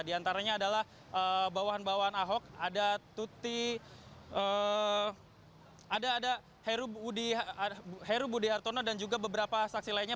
di antaranya adalah bawahan bawahan ahok ada heru budi hartono dan juga beberapa saksi lainnya